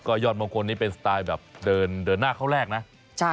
ยอดมงคลนี้เป็นสไตล์แบบเดินหน้าเข้าแรกนะ